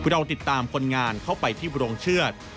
เราติดตามคนงานเข้าไปที่โรงเชือด